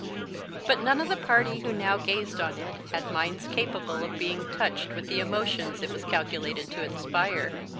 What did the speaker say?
But none of the party who now gazed on it had minds capable of being touched with the emotions it was calculated to inspire.